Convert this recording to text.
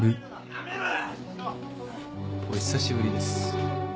お久しぶりです